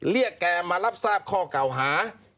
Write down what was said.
เรียกแกมารับทราบข้อเก่าหา